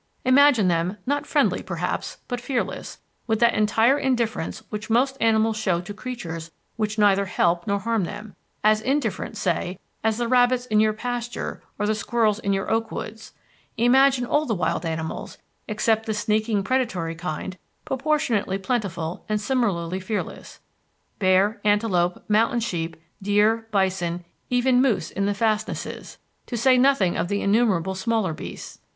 Imagine them not friendly, perhaps, but fearless, with that entire indifference which most animals show to creatures which neither help nor harm them as indifferent, say, as the rabbits in your pasture or the squirrels in your oak woods. Imagine all the wild animals, except the sneaking, predatory kind, proportionally plentiful and similarly fearless bear, antelope, mountain sheep, deer, bison, even moose in the fastnesses, to say nothing of the innumerable smaller beasts.